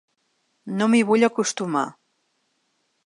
No m’hi vull acostumar.